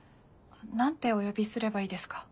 何てお呼びすればいいですか？